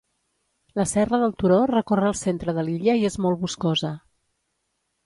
La serra del turó recorre el centre de l'illa i és molt boscosa.